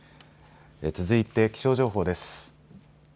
続いて気象情報です。